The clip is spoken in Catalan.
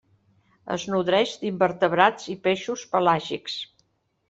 Es nodreix d'invertebrats i peixos pelàgics.